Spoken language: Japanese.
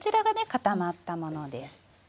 固まったものです。